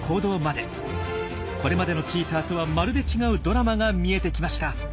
これまでのチーターとはまるで違うドラマが見えてきました。